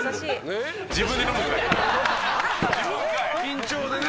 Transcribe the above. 緊張でね。